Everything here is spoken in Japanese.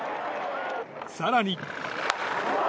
更に。